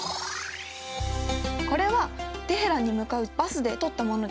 これはテヘランに向かうバスで撮ったものです。